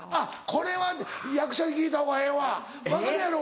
これは役者に聞いた方がええわ分かるやろ？